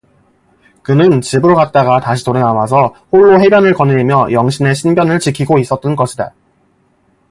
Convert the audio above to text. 그는 집으로 갔다가 다시 돌아나와서 홀로 해변을 거닐며 영신의 신변을 지키고 있었던 것이다.